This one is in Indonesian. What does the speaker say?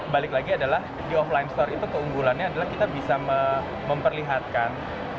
balik lagi adalah di offline store itu keunggulannya adalah kita bisa memperlihatkan